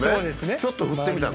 ちょっと振ってみたの。